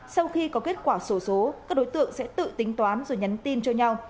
sau khi có kết quả sổ số các đối tượng sẽ tự tính toán rồi nhắn tin cho nhau